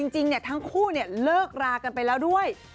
จริงทั้งคู่เลิกรากันไปแล้วด้วย